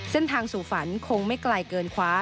เส้นทางสู่ฝันคงไม่ไกลเกินคว้า